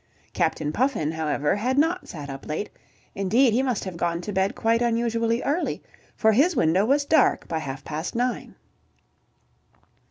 Captain Puffin, however, had not sat up late; indeed he must have gone to bed quite unusually early, for his window was dark by half past nine.